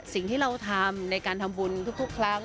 สิ่งที่เราทำในการทำบุญทุกครั้ง